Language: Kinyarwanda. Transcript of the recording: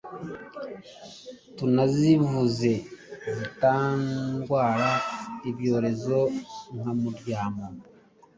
tunazivuze zitadwara ibyorezo nka muryamo,